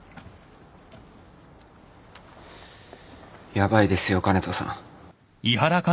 ヤバいですよ香音人さん。